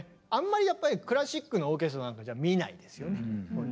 あんまりやっぱりクラシックのオーケストラなんかじゃ見ないですよね。